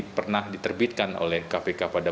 pernah diterbitkan oleh kpk pada